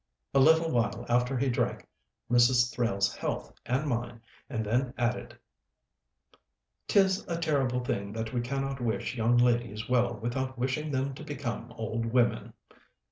A little while after he drank Miss Thrale's health and mine, and then added: "'Tis a terrible thing that we cannot wish young ladies well without wishing them to become old women!"